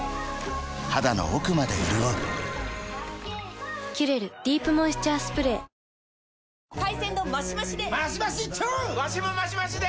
肌の奥まで潤う「キュレルディープモイスチャースプレー」海鮮丼マシマシで！